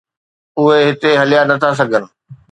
اهي هتي هليا نٿا سگهن.